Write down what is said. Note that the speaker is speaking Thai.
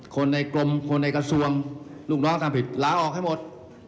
คนในกรมคนในกระทรวงลูกน้องทำผิดลาออกให้หมด